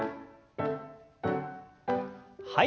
はい。